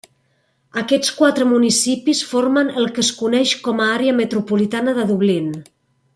Aquests quatre municipis formen el que es coneix com a àrea metropolitana de Dublín.